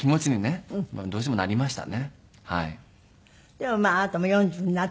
でもまああなたも４０になったし。